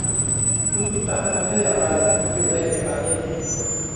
คุณรู้จักมันได้อย่างไร มันอยู่ในเอกสารเย็นนี้